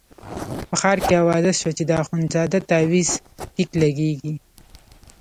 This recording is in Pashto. په ښار کې اوازه شوه چې د اخندزاده تاویز ټیک لګېږي.